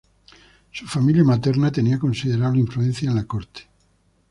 Su familia materna tenía considerable influencia en la Corte.